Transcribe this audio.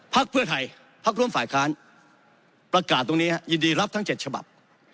พักเพื่อไทยพักร่วมฝ่ายค้านประกาศตรงนี้ยินดีรับทั้ง๗ฉบับ